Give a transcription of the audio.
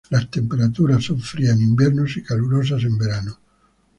Las temperaturas son frías en invierno y calurosas en verano.